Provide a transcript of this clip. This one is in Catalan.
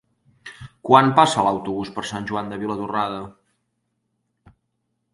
Quan passa l'autobús per Sant Joan de Vilatorrada?